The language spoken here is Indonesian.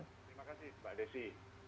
terima kasih pak desi